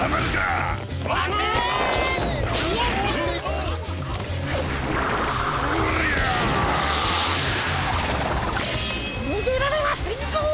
にげられはせんぞ！